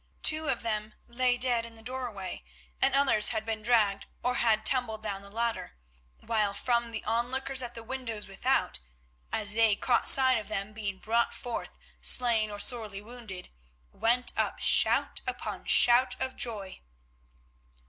Two of them lay dead in the doorway, and others had been dragged or had tumbled down the ladder, while from the onlookers at the windows without, as they caught sight of them being brought forth slain or sorely wounded, went up shout upon shout of joy.